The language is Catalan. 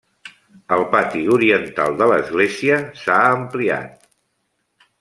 El pati oriental de l'església s'ha ampliat.